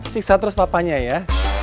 siksa terus papanya ya